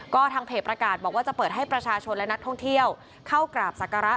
ก็ทางเพจประกาศบอกว่าจะเปิดให้ประชาชนและนักท่องเที่ยวเข้ากราบศักระ